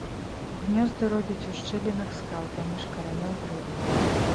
Гнёзды робіць у шчылінах скал, паміж каранёў дрэваў.